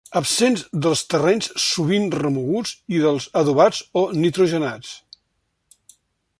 Absents dels terrenys sovint remoguts i dels adobats o nitrogenats.